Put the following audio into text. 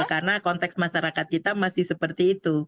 karena konteks masyarakat kita masih seperti itu